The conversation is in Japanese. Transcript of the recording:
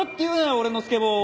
俺のスケボーを。